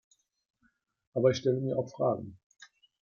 Aber ich stelle mir auch Fragen.